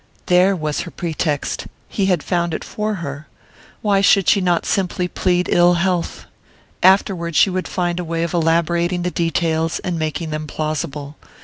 There was her pretext he had found it for her! Why should she not simply plead ill health? Afterward she would find a way of elaborating the details and making them plausible.